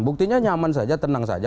buktinya nyaman saja tenang saja